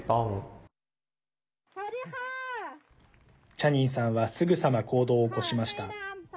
チャニンさんはすぐさま行動を起こしました。